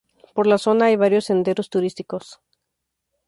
Por la zona hay varios senderos turísticos